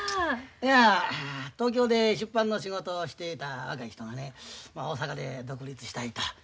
いや東京で出版の仕事をしていた若い人がね大阪で独立したいと。